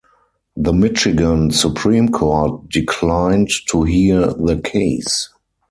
The Michigan Supreme Court declined to hear the case.